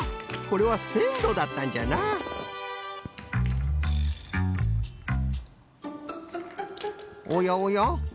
これはせんろだったんじゃなおやおや？